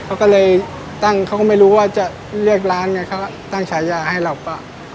เขาก็เลยตั้งเขาก็ไม่รู้ว่าจะเลือกร้านไงเขาตั้งฉายาให้เราเปล่า